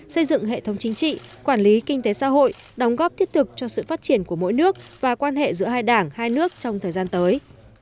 xây dựng hệ thống chính trị quản lý kinh tế xã hội đóng góp thiết thực cho sự phát triển của mỗi nước và quan hệ giữa hai đảng hai nước trong thời gian tới